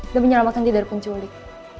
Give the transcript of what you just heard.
dan menyelamatkan diri dari penculik